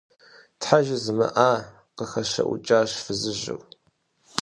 – Тхьэ, жызмыӀа! – къыхэщэӀукӀащ фызыжьыр.